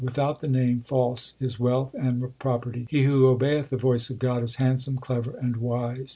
Without the Name false is wealth and property. He who obeyeth the voice of God Is handsome, clever, and wise.